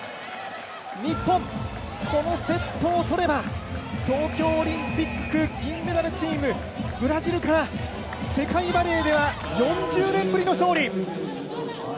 日本、このセットを取れば東京オリンピック銀メダルチーム、ブラジルから世界バレーでは４０年ぶりの勝利。